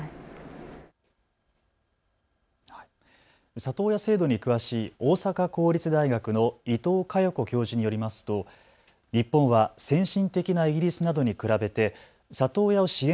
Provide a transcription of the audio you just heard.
里親制度に詳しい大阪公立大学の伊藤嘉余子教授によりますと日本は先進的なイギリスなどに比べて里親を支援